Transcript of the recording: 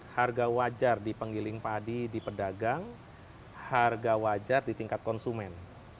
harga wajar di penggiling padi di pedagang harga wajar di tingkat konsumen